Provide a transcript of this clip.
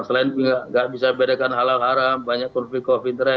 selain itu tidak bisa membedakan halal haram banyak konflik covid sembilan belas